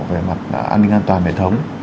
về mặt an ninh an toàn hệ thống